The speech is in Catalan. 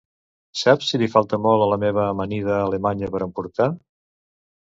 Saps si li falta molt a la meva amanida alemanya per emportar?